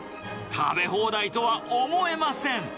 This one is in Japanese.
食べ放題とは思えません。